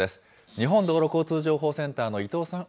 日本道路交通情報センターの伊藤さん